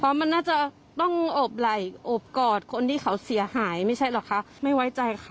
เพราะมันน่าจะต้องโอบไหล่อบกอดคนที่เขาเสียหายไม่ใช่เหรอคะไม่ไว้ใจค่ะ